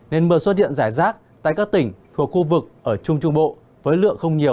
nên mưa xuất hiện rải rác tại các tỉnh thuộc khu vực ở trung trung bộ với lượng không nhiều